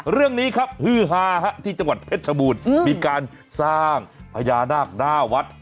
เรื่องนี้ครับฮือฮาที่จังหวัดเพชรชบูรณ์มีการสร้างพญานาคหน้าวัด